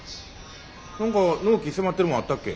何か納期迫ってるもんあったっけ？